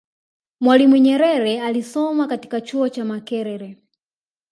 mwalimu Nyerere alisoma katika chuo cha makerere